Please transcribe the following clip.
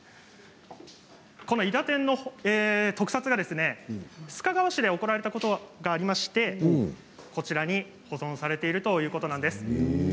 この「いだてん」の特撮が須賀川市で行われたことがありましてこちらに保存されているということなんです。